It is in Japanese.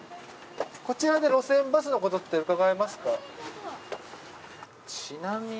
こちらで路線バスのことって伺えますか？